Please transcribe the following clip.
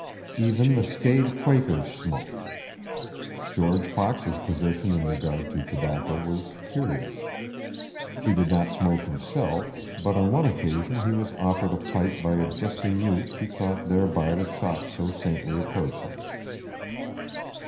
Even the staid Quakers smoked. George Fox's position in regard to tobacco was curious. He did not smoke himself; but on one occasion he was offered a pipe by a jesting youth who thought thereby to shock so saintly a person.